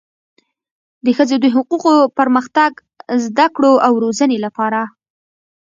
د ښځو د حقوقو، پرمختګ، زده کړو او روزنې لپاره